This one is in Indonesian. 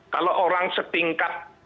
kalau orang setingkat